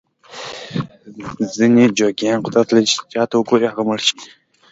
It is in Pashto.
ځینې جوګیان قدرت لري چې چاته وګوري هغه مړ شي.